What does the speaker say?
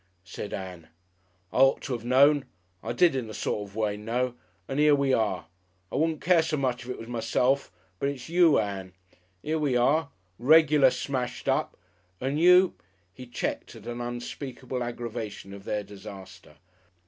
said Ann. "I ought to 'ave known. I did in a sort of way know. And 'ere we are! I wouldn't care so much if it was myself, but it's you, Ann! 'Ere we are! Regular smashed up! And you " He checked at an unspeakable aggravation of their disaster.